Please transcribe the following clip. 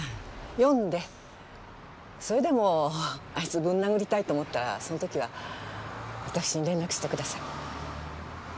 読んでそれでもあいつをぶん殴りたいと思ったらその時は私に連絡してください。